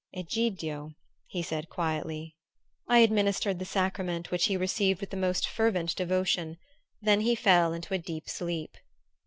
"Egidio," he said quietly. I administered the sacrament, which he received with the most fervent devotion; then he fell into a deep sleep.